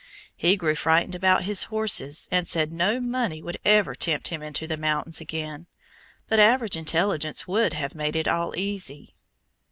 He grew frightened about his horses, and said no money would ever tempt him into the mountains again; but average intelligence would have made it all easy.